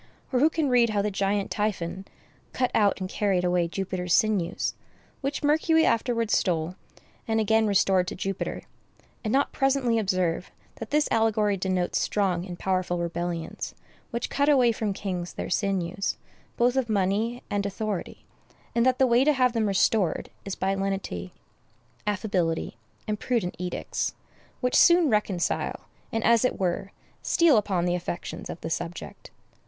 Or who can read how the giant Typhon cut out and carried away Jupiter's sinews—which Mercury afterwards stole, and again restored to Jupiter—and not presently observe that this allegory denotes strong and powerful rebellions, which cut away from kings their sinews, both of money and authority; and that the way to have them restored is by lenity, affability, and prudent edicts, which soon reconcile, and, as it were, steal upon the affections of the subject?